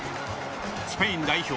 スペイン代表